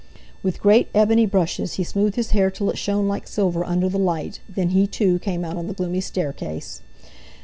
With great ebony brushes he smoothed his hair till it shone like silver under the light; then he, too, came out on the gloomy staircase.